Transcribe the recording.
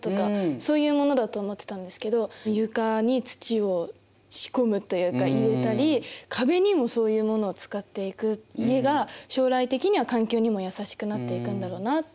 そういうものだと思ってたんですけど床に土を仕込むというか入れたり壁にもそういうものを使っていく家が将来的には環境にも優しくなっていくんだろうなって思いました。